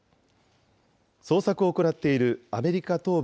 捜索を行っているアメリカ東部